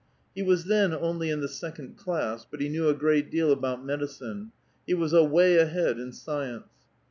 He was then only in the sec ond class, but he knew a great deal about medicine ; he was away ahead in science.